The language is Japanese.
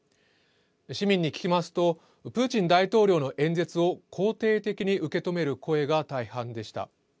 市民に聞きますと、プーチン大統領の演説を肯定的に受け止める声が大半でした。